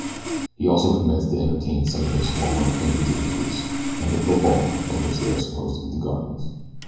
He also commenced to entertain some of his former opinions of the police, and of the law of which they are supposed to be the guardians.